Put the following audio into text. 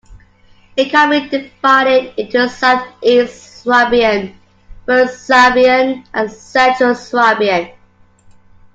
It can be divided into South-East Swabian, West Swabian and Central Swabian.